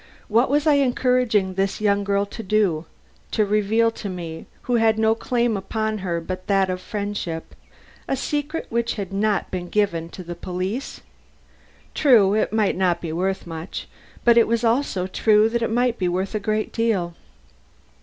What was I encouraging this young girl to do? To reveal to me, who had no claim upon her but that of friendship, a secret which had not been given to the police? True, it might not be worth much, but it was also true that it might be worth a great deal.